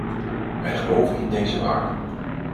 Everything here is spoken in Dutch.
Wij geloven in deze waarden.